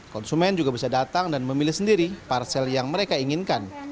konsumen juga bisa datang dan memilih sendiri parcel yang mereka inginkan